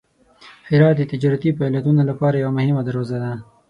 هرات د تجارتي فعالیتونو لپاره یوه مهمه دروازه ده.